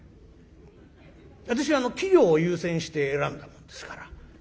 私は器量を優先して選んだもんですから。